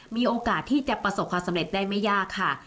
มีโอกาสที่จะประสบความสำเร็จได้ไม่ยากค่ะ